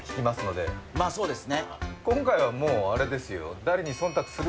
今回はもうあれですよ